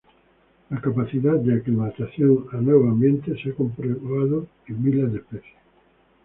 La capacidad de aclimatación a nuevos ambientes se ha comprobado en miles de especies.